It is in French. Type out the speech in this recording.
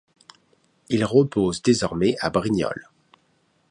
Il repose désormais à Brignoles.